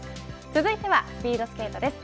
続いてはスピードスケートです。